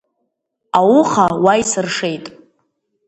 Ауха уа исыршеит.